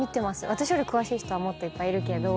私より詳しい人はもっといっぱいいるけど。